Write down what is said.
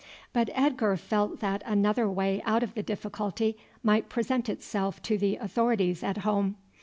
But Edgar felt that another way out of the difficulty might present itself to the authorities at home.